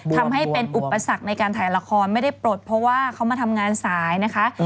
ทำให้เป็นอุปสรรคในการถ่ายละครไม่ได้ปลดเพราะว่าเขามาทำงานสายนะคะ